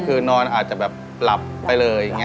คือนอนอาจจะแบบรับไปเลย